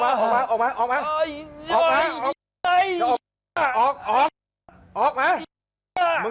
อาหาร